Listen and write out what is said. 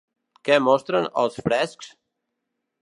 Què mostren els frescs?